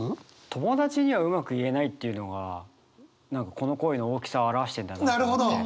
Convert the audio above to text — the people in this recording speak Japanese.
「友達にはうまく言えない」っていうのがこの恋の大きさを表してるんだなと思って。